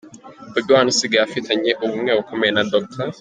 Bobi Wine usigaye afitanye ubumwe bukomeye na Dr.